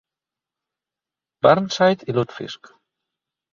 Burnside i Lutefisk.